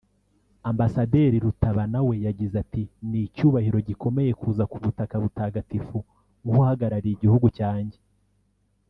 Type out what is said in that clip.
Ambasaderi Rutabana we yagize ati “Ni icyubahiro gikomeye kuza ku butaka butagatifu nk’uhagarariye igihugu cyanjye